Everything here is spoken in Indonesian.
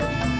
gak ada sih